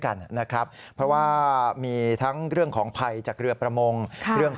กันนะครับเพราะว่ามีทั้งเรื่องของภัยจากเรือประมงเรื่องของ